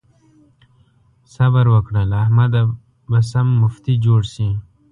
صبر وکړه؛ له احمده به سم مفتي جوړ شي.